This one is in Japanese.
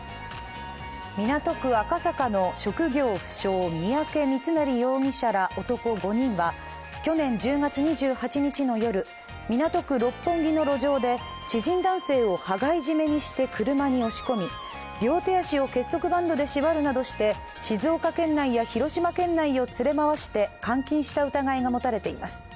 港区赤坂の職業不詳、三宅三成容疑者ら男５人は去年１０月２８日の夜、港区六本木の路上で知人男性を羽交い締めにして車に押し込み、両手足を結束バンドで縛るなどして静岡県内や広島県内を連れ回して監禁した疑いが持たれています。